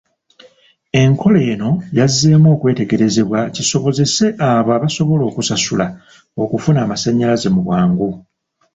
Enkola eno yazzeemu okwetegerezebwa kisobozese abo abasobola okusasula okufuna amasannyalaze mu bwangu.